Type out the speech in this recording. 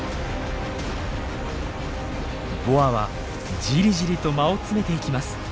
ボアはじりじりと間を詰めていきます。